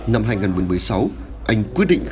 năm hai nghìn một mươi sáu anh quyết định